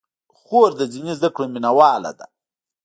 خور د دیني زدکړو مینه واله ده.